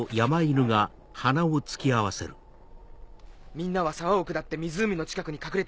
みんなは沢を下って湖の近くに隠れていてくれ。